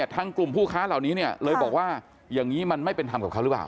ทั้งกลุ่มผู้ค้าเหล่านี้เนี่ยเลยบอกว่าอย่างนี้มันไม่เป็นธรรมกับเขาหรือเปล่า